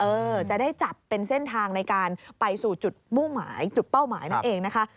จะได้จับเป็นเส้นทางในการไปสู่จุดมุ่งหมายจุดเป้าหมายนั่นเองนะคะ